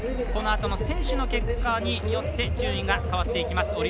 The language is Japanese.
このあとの選手の結果によって順位が変わっていきます